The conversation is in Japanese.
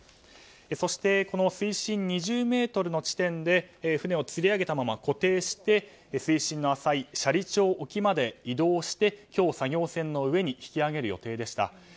そして、この水深２０ｍの地点で船をつり上げたまま固定して水深の浅い斜里町沖まで移動して今日、作業船の上に引き上げる予定でした。